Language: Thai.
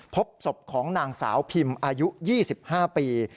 พบศพของนางสาวพิมอายุ๒๕ปี